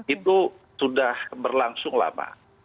itu sudah berlangsung lama